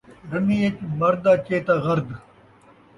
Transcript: رنیں ءِچ مرد تاں چیتا غرد